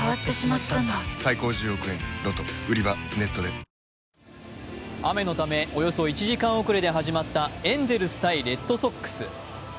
その結果は雨のためおよそ１時間遅れで始まったエンゼルス×レッドソックス。